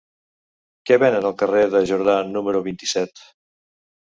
Què venen al carrer de Jordà número vint-i-set?